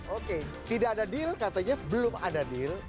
oke tidak ada deal katanya belum ada deal